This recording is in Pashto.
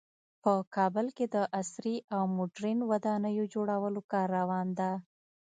په کابل کې د عصري او مدرن ودانیو جوړولو کار روان ده